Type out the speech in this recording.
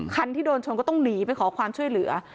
คันที่โดนชนก็ต้องหนีไปขอความช่วยเหลือ